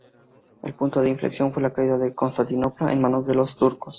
El punto de inflexión fue la caída de Constantinopla en manos de los turcos.